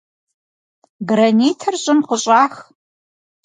Гранитыр щӀым къыщӀах.